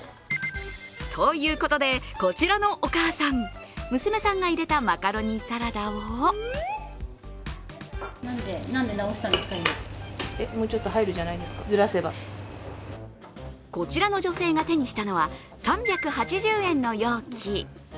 ということで、こちらのお母さん娘さんが入れたマカロニサラダをこちらの女性が手にしたのは３８０円の容器。